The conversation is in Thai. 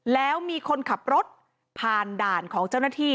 แล้วมีคนขับรถผ่านด่านของเจ้าหน้าที่